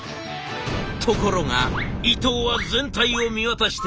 ところが伊藤は全体を見渡して驚いた。